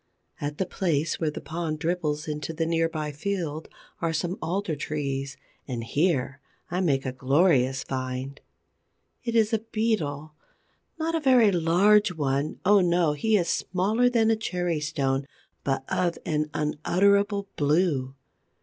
At the place where the pond dribbles into the near by field, are some alder trees; and here I make a glorious find. It is a Beetle—not a very large one, oh, no! He is smaller than a cherry stone, but of an unutterable blue.